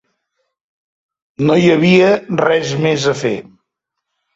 No hi havia res més a fer.